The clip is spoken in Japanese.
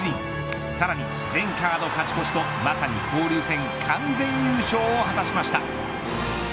さらに全カード勝ち越しとまさに交流戦完全優勝を果たしました。